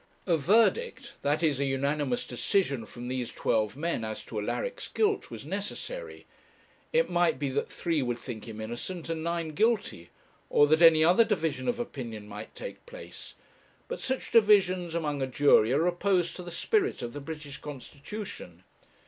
A verdict, that is, a unanimous decision from these twelve men as to Alaric's guilt, was necessary; it might be that three would think him innocent, and nine guilty, or that any other division of opinion might take place; but such divisions among a jury are opposed to the spirit of the British constitution.